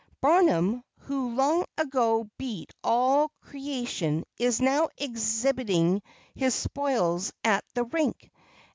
Barnum, who long ago beat all creation, is now exhibiting his spoils at the Rink.